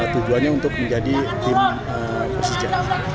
tujuannya untuk menjadi tim persija